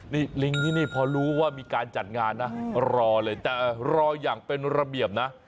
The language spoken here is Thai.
นี่ลิงที่นี่พอรู้ว่ามีการจัดงานนะรอเลยแต่รออย่างเป็นระเบียบนะ